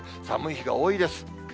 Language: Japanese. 寒い日が多いです。